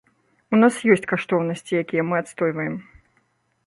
У нас ёсць каштоўнасці, якія мы адстойваем.